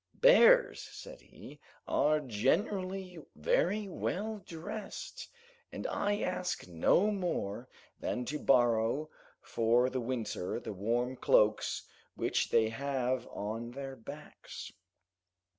"Bears," said he, "are generally very well dressed, and I ask no more than to borrow for the winter the warm cloaks which they have on their backs."